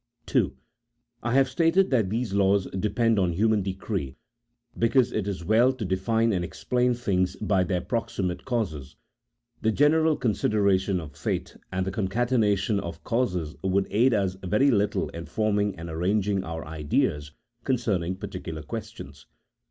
(2.) I have stated that these laws depend on human decree because it is well to define and explain things by their proxi mate causes. The general consideration of fate and the concatenation of causes would aid us very little in forming and arranging our ideas concerning particular questions.